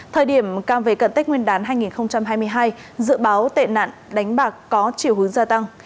thời điểm càng về cận tết nguyên đán hai nghìn hai mươi hai dự báo tệ nạn đánh bạc có chiều hướng gia tăng